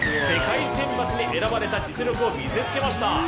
世界選抜に選ばれた実力を見せつけました。